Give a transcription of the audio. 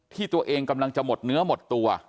ที่ตัวเองกำลังจะหมดเนื้อหมดตัว